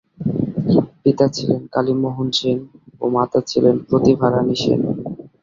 পিতা ছিলেন "কালী মোহন সেন" ও মাতা ছিলেন "প্রতিভা রানী সেন"।